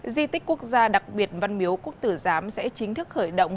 di tích quốc gia đặc biệt văn miếu quốc tử giám sẽ chính thức khởi động